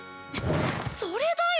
それだよ！